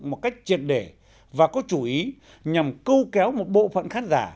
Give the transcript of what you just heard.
một cách triệt để và có chú ý nhằm câu kéo một bộ phận khán giả